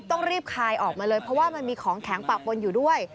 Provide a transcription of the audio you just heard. ออกมาเลยเพราะว่ามันมีของแข็งปากบนอยู่ด้วย